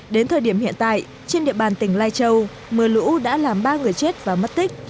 đến thời điểm hiện tại trên địa bàn tỉnh lai châu mưa lũ đã làm ba người chết và mất tích